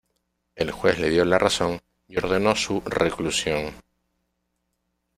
El juez le dio la razón y ordenó su reclusión.